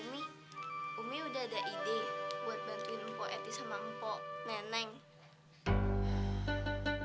oh ya umi umi udah ada ide buat bantuin mpo eti sama mpo neneng